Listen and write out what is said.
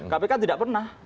kpk tidak pernah